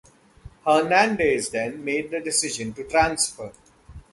Hernandez then made the decision to transfer.